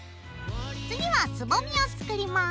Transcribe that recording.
次はつぼみを作ります。